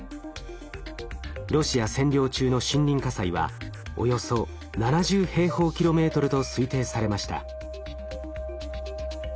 ロシア占領中の森林火災はおよそ７０平方キロメートルと推定されました。